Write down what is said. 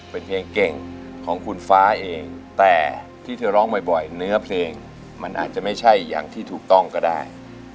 เป็นเพลงเก่งของคุณฟ้าเองแต่ที่เธอร้องบ่อยเนื้อเพลงมันอาจจะไม่ใช่อย่างที่ถูกต้องก็ได้